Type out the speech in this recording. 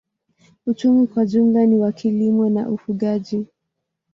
Uchumi kwa jumla ni wa kilimo na ufugaji.